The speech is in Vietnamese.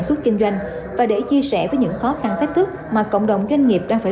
xuất kinh doanh và để chia sẻ với những khó khăn thách thức mà cộng đồng doanh nghiệp đang phải